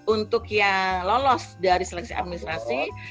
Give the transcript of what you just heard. untuk yang lolos dari seleksi administrasi